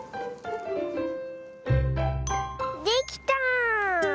できた！